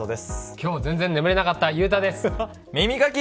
今日は全然眠れなかったゆうたです。